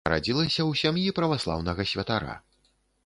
Нарадзілася ў сям'і праваслаўнага святара.